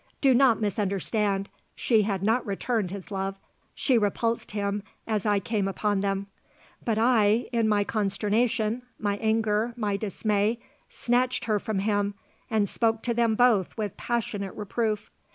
Do not misunderstand; she had not returned his love; she repulsed him as I came upon them; but I, in my consternation, my anger, my dismay, snatched her from him and spoke to them both with passionate reproof.